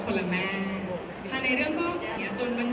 เสียงปลดมือจังกัน